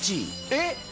えっ！